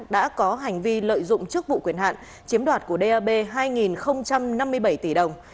đã có hành vi lợi dụng chức vụ quyền hạn chiếm đoạt của dap hai năm mươi bảy tỷ đồng